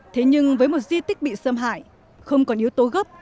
thế nhưng với một di tích bị xâm hại không còn yếu tố gấp